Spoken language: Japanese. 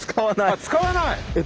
あ使わない？